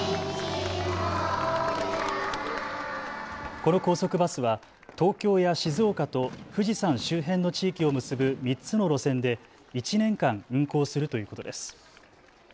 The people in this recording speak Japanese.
この高速バスは東京や静岡と富士山周辺の地域を結ぶ３つの路線で１年間運行するということです。